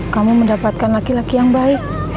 kamu mendapatkan laki laki yang baik